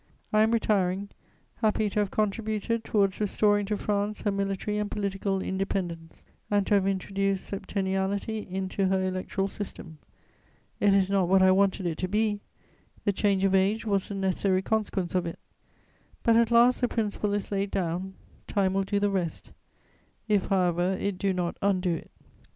I am retiring, happy to have contributed towards restoring to France her military and political independence, and to have introduced septenniality into her electoral system; it is not what I wanted it to be; the change of age was a necessary consequence of it; but at last the principle is laid down; time will do the rest, if, however, it do not undo it.